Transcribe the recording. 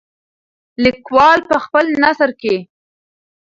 لیکوال په خپل نثر کې.